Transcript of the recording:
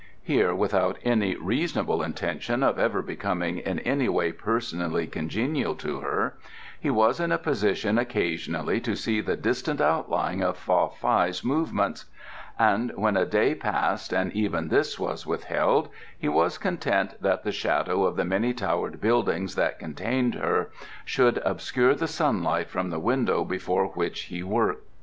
Here, without any reasonable intention of ever becoming in any way personally congenial to her, he was in a position occasionally to see the distant outline of Fa Fai's movements, and when a day passed and even this was withheld he was content that the shadow of the many towered building that contained her should obscure the sunlight from the window before which he worked.